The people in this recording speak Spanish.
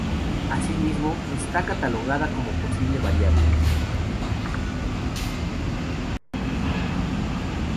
Asimismo, está catalogada como posible variable.